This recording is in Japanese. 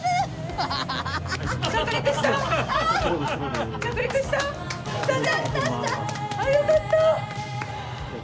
ああよかった。